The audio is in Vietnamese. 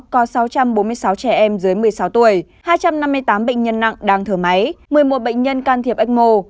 có sáu trăm bốn mươi sáu trẻ em dưới một mươi sáu tuổi hai trăm năm mươi tám bệnh nhân nặng đang thở máy một mươi một bệnh nhân can thiệp ecmo